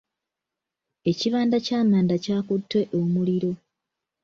Ekibanda ky'amanda kyakutte omuliro.